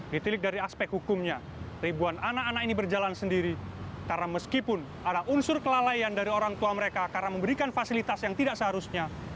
ditilik dari aspek hukumnya ribuan anak anak ini berjalan sendiri karena meskipun ada unsur kelalaian dari orang tua mereka karena memberikan fasilitas yang tidak seharusnya